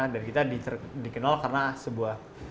dan kita dikenal karena sebuah